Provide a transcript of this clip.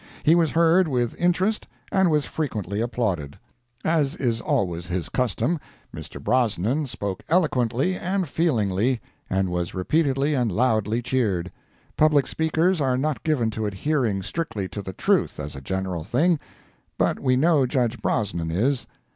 He was heard with interest and was frequently applauded. As is always his custom, Mr. Brosnan spoke eloquently and feelingly, and was repeatedly and loudly cheered. Public speakers are not given to adhering strictly to the truth as a general thing, but we know Judge Brosnan is.